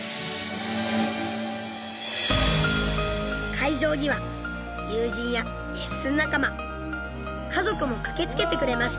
会場には友人やレッスン仲間家族も駆けつけてくれました。